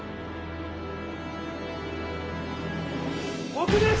僕です！